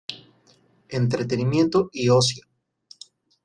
Entretenimiento y ocio.